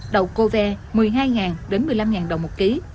đầu cô ve một mươi hai một mươi năm đồng một kg